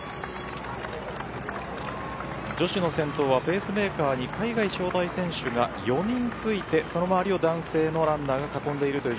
女子の先頭はペースメーカーに海外招待選手が４人ついてその周りを男性ランナーが囲んでいます。